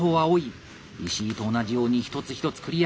石井と同じように一つ一つクリア。